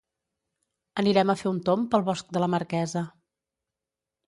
Anirem a fer un tomb pel Bosc de la Marquesa.